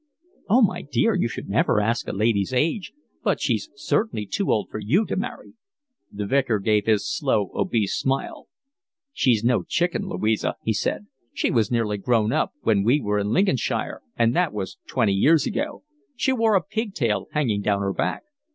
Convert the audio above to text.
"Oh, my dear, you should never ask a lady's age; but she's certainly too old for you to marry." The Vicar gave his slow, obese smile. "She's no chicken, Louisa," he said. "She was nearly grown up when we were in Lincolnshire, and that was twenty years ago. She wore a pigtail hanging down her back."